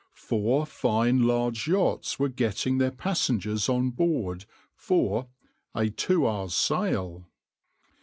Four fine large yachts were getting their passengers on board for "a two hours' sail."